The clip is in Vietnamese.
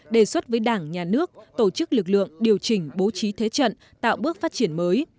đề xuất với đảng nhà nước tổ chức lực lượng điều chỉnh bố trí thế trận tạo bước phát triển mới